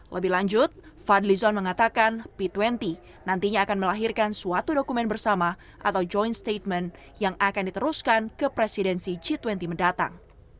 lebih lanjut fadlizon mengatakan p dua puluh nantinya akan melahirkan suatu dokumen bersama atau joint statement yang akan diteruskan ke presidensi g dua puluh mendatang